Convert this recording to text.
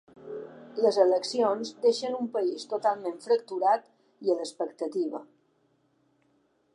Les eleccions deixen un país totalment fracturat i a l’expectativa.